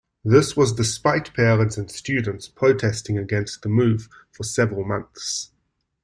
This was despite parents and students protesting against the move for several months.